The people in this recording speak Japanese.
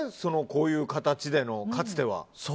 こういう形は、かつては。